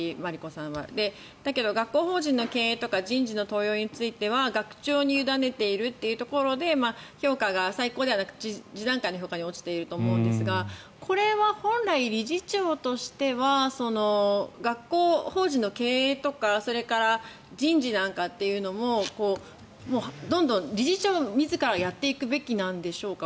だけど、学校法人の経営とか人事の登用については学長に委ねているというところで評価が最高ではなく次段階の評価に落ちていると思うんですがこれは本来、理事長としては学校法人の経営とかそれから人事なんかっていうのもどんどん理事長自らやっていくべきなんでしょうか。